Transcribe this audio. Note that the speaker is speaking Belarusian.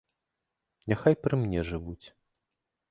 Няхай пры мне жывуць.